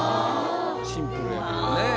シンプルやけどね。